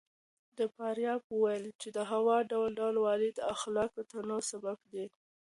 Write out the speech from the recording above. فارابي وويل چي د هوا ډول ډول والی د اخلاقو د تنوع سبب دی.